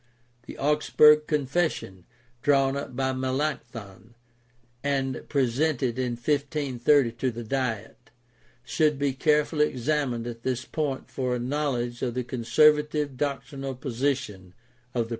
The Augsburg Confession, drawn up by Melanchthon and presented in 1530 to the Diet, should be carefully examined at this point for a knowledge of the con servative doctrinal position of the Protestants.